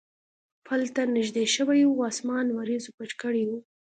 پل ته نږدې شوي و، اسمان وریځو پټ کړی و.